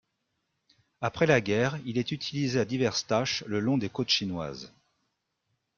Après la guerre il est utilisé à diverses tâches le long des côtes chinoises.